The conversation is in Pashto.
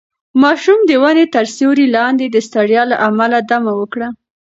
ماشوم د ونې تر سیوري لاندې د ستړیا له امله دمه وکړه.